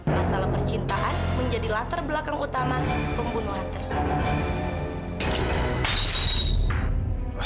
masalah percintaan menjadi latar belakang utama pembunuhan tersebut